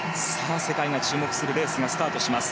世界が注目するレースがスタートします。